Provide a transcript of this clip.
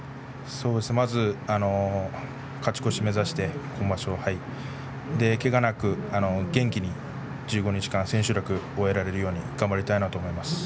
まず勝ち越し目指して今場所けがなく、元気に１５日間、千秋楽を終えられるように頑張りたいと思います。